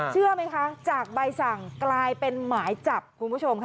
เชื่อไหมคะจากใบสั่งกลายเป็นหมายจับคุณผู้ชมค่ะ